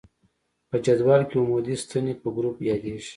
په جدول کې عمودي ستنې په ګروپ یادیږي.